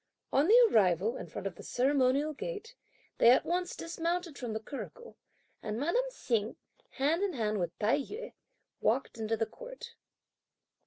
On the arrival in front of the ceremonial gate, they at once dismounted from the curricle, and madame Hsing, hand in hand with Tai yü, walked into the court.